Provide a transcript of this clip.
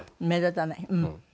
目立たない。